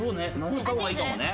回った方がいいかもね。